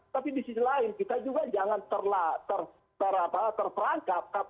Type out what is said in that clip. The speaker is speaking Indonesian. tapi di sisi lain kita juga jangan terperangkap